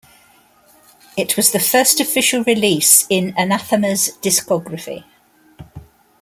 It was the first official release in Anathema's discography.